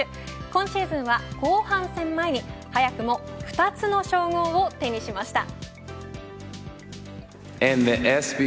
今シーズンは後半戦前に早くも２つの称号を手にしました。